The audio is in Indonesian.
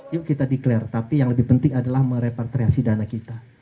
yuk kita declare tapi yang lebih penting adalah merepatriasi dana kita